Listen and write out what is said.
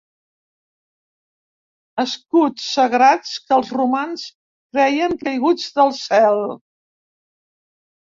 Escuts sagrats que els romans creien caiguts del cel.